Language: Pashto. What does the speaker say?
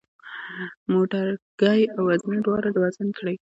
موټرګی او وزنه دواړه وزن کړئ.